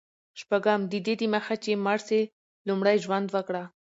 شپږم: ددې دمخه چي مړ سې، لومړی ژوند وکړه.